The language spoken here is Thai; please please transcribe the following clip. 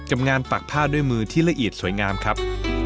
งานปักผ้าด้วยมือที่ละเอียดสวยงามครับ